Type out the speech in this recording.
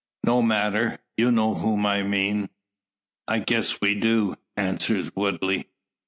No matter; you know whom I mean." "I guess we do," answers Woodley.